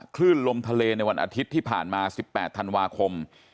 คลื่นลมทะเลในวันอาทิตย์ที่ผ่านมา๑๘ธันวาคม